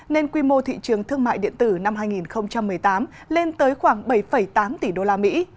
nên quy mô thị trường thương mại điện tử năm hai nghìn một mươi tám lên tới khoảng bảy tám tỷ usd